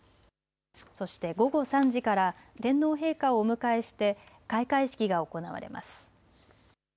そして午後３時から天皇陛下をお迎えして開会式が行われます。